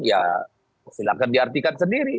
ya silakan diartikan sendiri